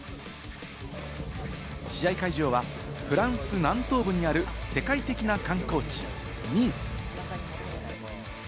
試合会場はフランス南東部にある世界的な観光地・ニース。